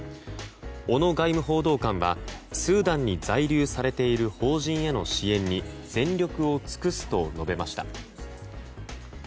小野外務報道官はスーダンに在留されている邦人への支援に全力を尽くすと述べました。